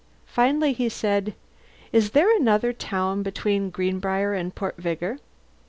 Finally he said, "Is there another town between Greenbriar and Port Vigor?"